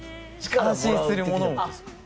安心するものを。